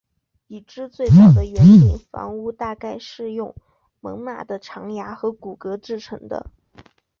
已知最早的圆顶房屋大概是用猛犸的长牙和骨骼制成的。